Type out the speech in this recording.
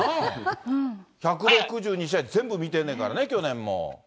１６２試合全部見てるねんからね、去年も。